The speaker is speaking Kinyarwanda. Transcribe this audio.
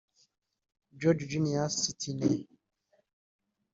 George Junius Stinney